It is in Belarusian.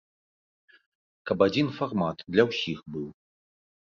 Каб адзін фармат для ўсіх быў.